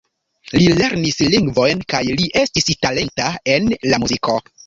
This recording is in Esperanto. Li lernis lingvojn kaj li estis talenta en la muziko.